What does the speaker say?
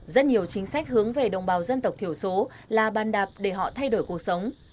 rất nhiều chính sách hướng về đồng bào dân tộc thiểu số là bàn đạp để họ thay đổi cuộc sống